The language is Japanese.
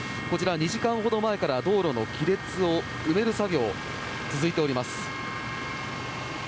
こちら、２時間ほど前から道路の亀裂を埋める作業が続いています。